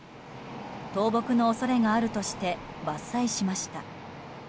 倒木の恐れがあるとして伐採しました。